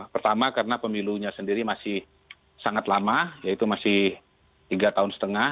pertama karena pemilunya sendiri masih sangat lama yaitu masih tiga tahun setengah